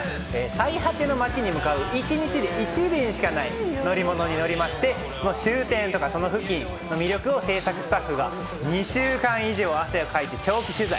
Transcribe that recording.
最果ての町に向かう１日で１便しかない乗り物に乗りまして、その終点とか、その付近の魅力を制作スタッフが２週間以上、汗をかいて長期取材。